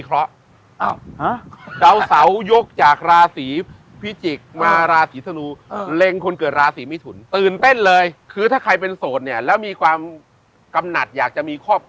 แล้วอย่างเข้ามาสู่ปีใหม่แล้วเป็นยังไง